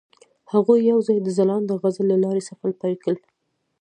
هغوی یوځای د ځلانده غزل له لارې سفر پیل کړ.